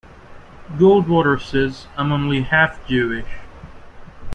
Goldwater says, I'm only half Jewish.